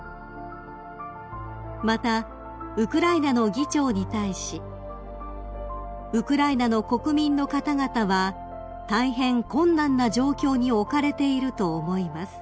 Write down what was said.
［またウクライナの議長に対し「ウクライナの国民の方々は大変困難な状況に置かれていると思います」